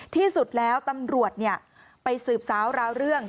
ที่สุดแล้วตำรวจไปสืบสาวราวเรื่อง